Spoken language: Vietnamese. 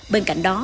bên cạnh đó